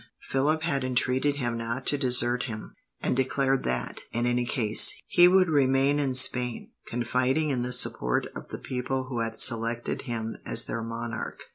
Philip had entreated him not to desert him, and declared that, in any case, he would remain in Spain, confiding in the support of the people who had selected him as their monarch.